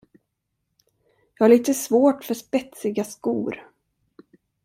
Jag har lite svårt för spetsiga skor.